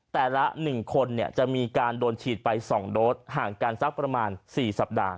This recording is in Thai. ละ๑คนจะมีการโดนฉีดไป๒โดสห่างกันสักประมาณ๔สัปดาห์